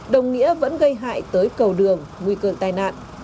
đồng nghĩa vẫn gây hại tới cầu đường nguy cơ tai nạn